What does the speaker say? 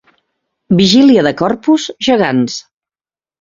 Vigília de Corpus, gegants.